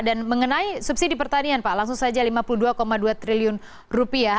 dan mengenai subsidi pertanian pak langsung saja lima puluh dua dua triliun rupiah